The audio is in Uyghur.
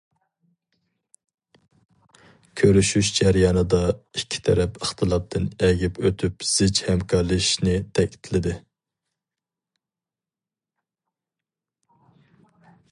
كۆرۈشۈش جەريانىدا ئىككى تەرەپ ئىختىلاپتىن ئەگىپ ئۆتۈپ زىچ ھەمكارلىشىشىنى تەكىتلىدى.